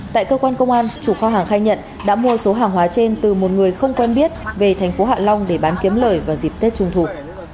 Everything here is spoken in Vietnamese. tại cơ quan công an chủ kho hàng khai nhận đã mua số hàng hóa trên từ một người không quen biết về thành phố hạ long để bán kiếm lời vào dịp tết trung thu